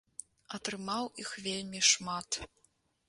Атрымаў іх вельмі шмат.